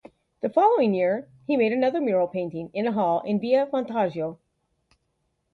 The following year, he made another mural painting in a hall in Via Vantaggio.